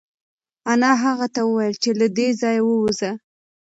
انا هغه ته وویل چې له دې ځایه ووځه.